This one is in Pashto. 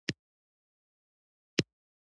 د هډوکو د پوکیدو مخنیوي لپاره باید څه شی وکاروم؟